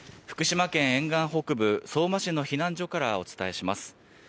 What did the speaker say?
福島県沿岸北部、相馬市の避難所からお伝えします。